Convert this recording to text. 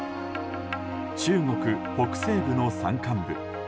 中国北西部の山間部。